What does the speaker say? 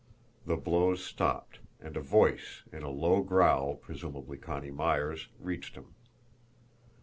The blows stopped, and a voice, in a low growl, presumably Connie Myers', reached him.